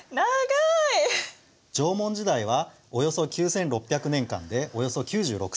縄文時代はおよそ９，６００年間でおよそ９６センチあります。